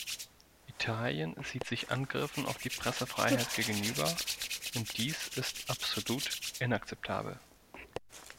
Italien sieht sich Angriffen auf die Pressefreiheit gegenüber und dies ist absolut inakzeptabel.